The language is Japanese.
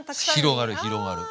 広がる広がる。